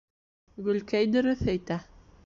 — Гөлкәй дөрөҫ әйтә.